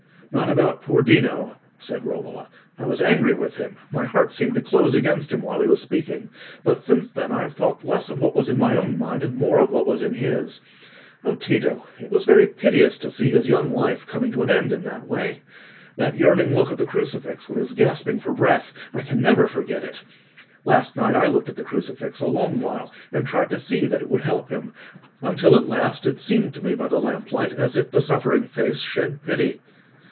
"Not about poor Dino," said Romola. "I was angry with him; my heart seemed to close against him while he was speaking; but since then I have thought less of what was in my own mind and more of what was in his. Oh, Tito! it was very piteous to see his young life coming to an end in that way. That yearning look at the crucifix when he was gasping for breath—I can never forget it. Last night I looked at the crucifix a long while, and tried to see that it would help him, until at last it seemed to me by the lamplight as if the suffering face shed pity."